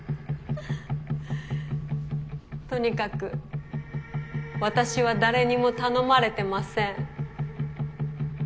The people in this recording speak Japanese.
とにかく私は誰にも頼まれてません。